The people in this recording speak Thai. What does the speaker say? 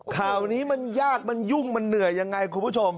ข่าวนี้มันยากมันยุ่งมันเหนื่อยยังไงคุณผู้ชม